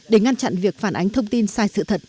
để ngăn chặn việc phản ánh thông tin sai sự thật